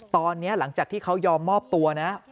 ตอนนี้หลังจากที่เขายอมมอบตัวนะ